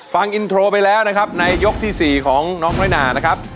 ฟังอินโทรไปแล้วนะครับในยกที่๔ของน้องน้อยนานะครับ